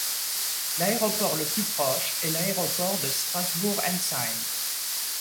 L'aéroport le plus proche est l'Aéroport de Strasbourg-Entzheim.